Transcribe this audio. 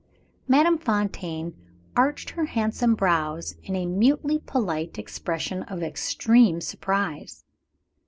Madame Fontaine arched her handsome brows in a mutely polite expression of extreme surprise.